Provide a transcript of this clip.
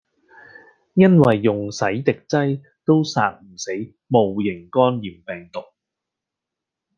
因為家用洗滌劑都殺唔死戊型肝炎病毒